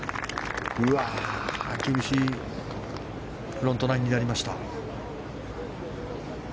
厳しいフロントナインになりました。